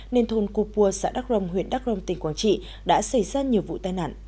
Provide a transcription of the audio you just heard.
nên thôn cô pua xã đắc rồng huyện đắc rồng tỉnh quảng trị đã xảy ra nhiều vụ tai nạn